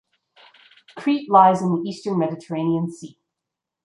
Crete lies in the eastern Mediterranean Sea.